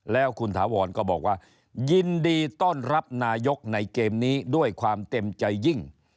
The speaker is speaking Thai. แล้วคุณถาวรก็บอกว่ายินดีต้อนรับนายกในเกมนี้ด้วยความเต็มใจยิ่ง